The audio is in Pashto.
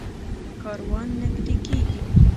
کاروان نږدې کېږي.